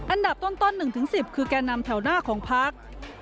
อันดับต้น๑๑๐คือแก่นำแถวหน้าของพัก